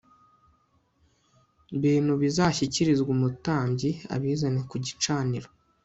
bintu Bizashyikirizwe umutambyi abizane ku gicaniro